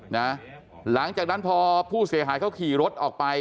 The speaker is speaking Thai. หลังจากนั้นพอผู้เสียหายเขาขี่รถออกไป